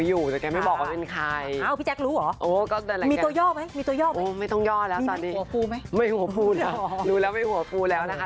ยุคนึงเราก็แต่งแบบนั้นแหละ